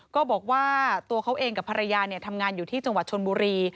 ก็บอกว่าตัวเขาเองกับภรรยาทำงานอยู่ที่จังหวัดชนบุรี